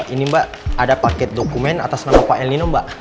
ini mbak ada paket dokumen atas nama pak el nino mbak